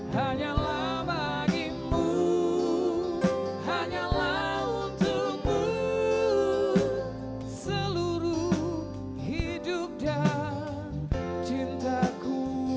hanyalah bagimu hanyalah untukmu seluruh hidup dan cintaku